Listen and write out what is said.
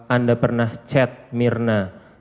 anda pernah chat mirna